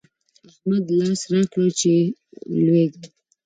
احمده! لاس راکړه چې لوېږم.